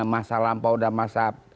masa lampau dan masa